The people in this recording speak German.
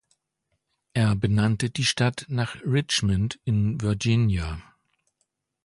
Er benannte die Stadt nach Richmond in Virginia.